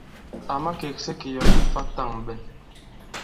À makèksɛ kì yɔ̀ ifā tàŋɓɛn.